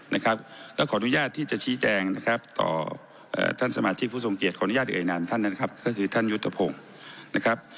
และขออนุญาตที่จะชี้แจงต่อท่านสมาธิภูมิทรงเกียรติขออนุญาตไอ้นานท่านนั้นคือท่านยุทธพงศ์